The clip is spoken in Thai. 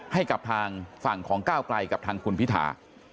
ให้กับทางฝั่งของก้าวไกลกับทางคุณพิธา